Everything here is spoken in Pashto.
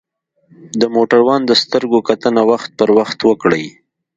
د موټروان د سترګو کتنه وخت پر وخت وکړئ.